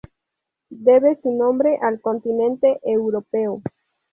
Debe su nombre al continente europeo.